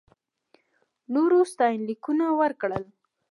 نورو ستاینلیکونه ورکړل.